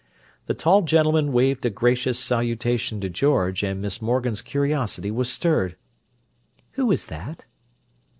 The tall gentleman waved a gracious salutation to George, and Miss Morgan's curiosity was stirred. "Who is that?"